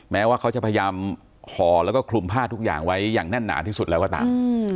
แม้ว่าเขาจะพยายามห่อแล้วก็คลุมผ้าทุกอย่างไว้อย่างแน่นหนาที่สุดแล้วก็ตาม